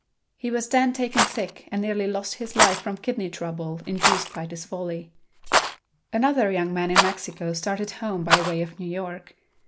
He was then taken sick and nearly lost his life from kidney trouble induced by this folly. Another young man in Mexico started home by way of New York.